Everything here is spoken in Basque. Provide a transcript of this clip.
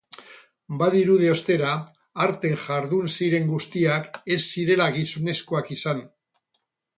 Badirudi, ostera, hartan jardun ziren guztiak ez zirela gizonezkoak izan.